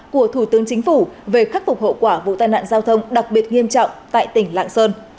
của thủ tướng chính phủ về khắc phục hậu quả vụ tai nạn giao thông đặc biệt nghiêm trọng tại tỉnh lạng sơn